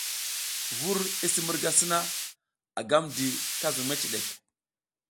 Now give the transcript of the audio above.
Vur i misi murga sina, a gam di ka zuƞ meciɗek.